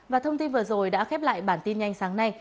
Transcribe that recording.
và thông tin vừa rồi đã khép lại bản tin nhanh sáng nay